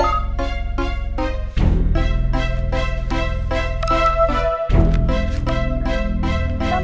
aku tau gak paul